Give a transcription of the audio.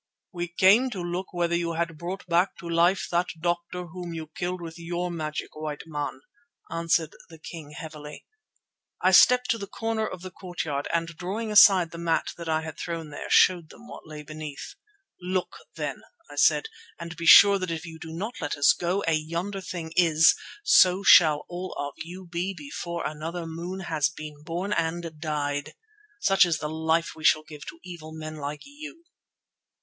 "We came to look whether you had brought back to life that doctor whom you killed with your magic, white man," answered the king heavily. I stepped to the corner of the court yard and, drawing aside a mat that I had thrown there, showed them what lay beneath. "Look then," I said, "and be sure that if you do not let us go, as yonder thing is, so shall all of you be before another moon has been born and died. Such is the life we shall give to evil men like you."